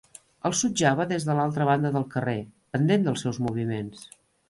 El sotjava des de l'altra banda del carrer, pendent dels seus moviments.